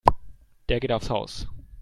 Der geht aufs Haus.